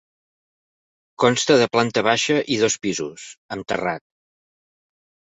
Consta de planta baixa i dos pisos, amb terrat.